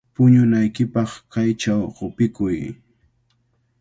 Puñunaykipaq kaychaw qupikuy.